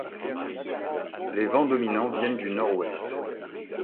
Les vents dominants viennent du nord-ouest.